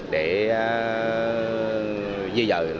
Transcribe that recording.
để di rời